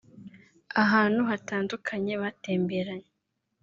ahantu hatandukanye batemberanye